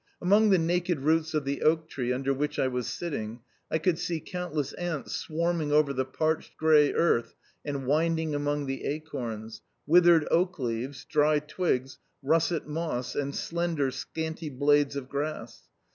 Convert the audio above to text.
Among the naked roots of the oak tree under which I was sitting. I could see countless ants swarming over the parched grey earth and winding among the acorns, withered oak leaves, dry twigs, russet moss, and slender, scanty blades of grass.